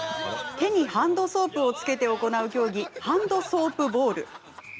手にハンドソープをつけて行う競技、ハンドソープボール。